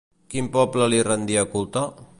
Quin poble li rendia culte?